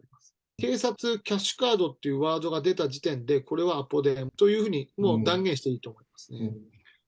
警察、キャッシュカードというワードが出た時点で、これはアポ電というふうにもう断言していいと思いますね。